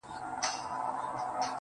ستا د پښې پايزيب مي تخنوي گلي~